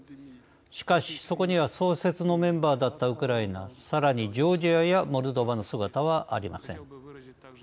しかし、そこには創設のメンバーだったウクライナさらにジョージアやモルドバの姿はありません。